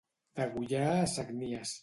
Degollar a sagnies.